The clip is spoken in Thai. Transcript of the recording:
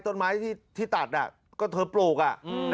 ต้นไม้ที่ตัดก็เธอปลูก